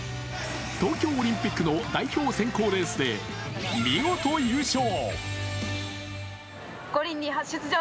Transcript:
東京オリンピックの代表選考レースで見事、優勝。